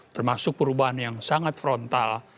termasuk perubahan yang sangat frontal